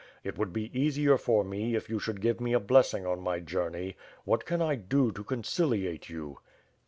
It would be easier for me if you should give me a blessing on my journey. What can I do to conciliate you?"